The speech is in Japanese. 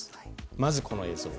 まず、この映像。